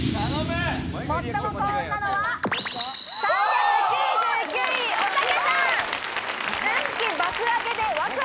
最も幸運なのは３９９位、おたけさん。